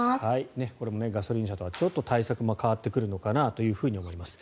これもガソリン車とはちょっと対策も変わってくるのかなと思います。